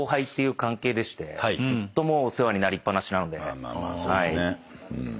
まあまあまあそうっすね。